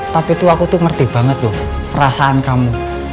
tapi tuh aku tuh ngerti banget loh perasaan kamu